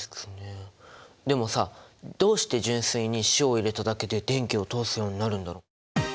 でもさどうして純水に塩を入れただけで電気を通すようになるんだろう？